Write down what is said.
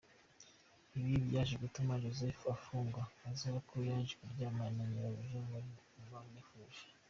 Ibi byaje gutuma Yozefu afungwa azira ko yanze kuryamana na nyirabuja wari wamwifuje .